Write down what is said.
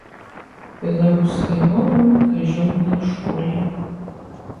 Беларуская мова ў казённай школе